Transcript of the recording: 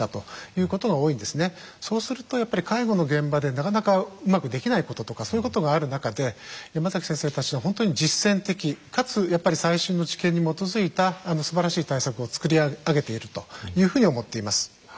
そうするとやっぱり介護の現場でなかなかうまくできないこととかそういうことがある中で山崎先生たちの本当に実践的かつやっぱり最新の知見に基づいたすばらしい対策を作り上げているというふうに思っています。